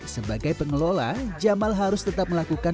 sebagai pengelola jamal harus tetap melakukan